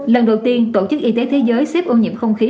lần đầu tiên tổ chức y tế thế giới xếp ô nhiễm không khí